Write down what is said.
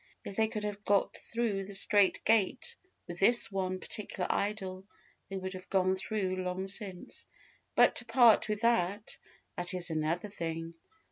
If they could have got through the strait gate with this one particular idol, they would have gone through long since; but to part with that that is another thing.